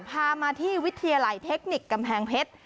พามาที่วิทยาลัยเทคนิคกำแพงเพชร